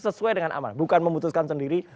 sesuai dengan aman bukan memutuskan sendiri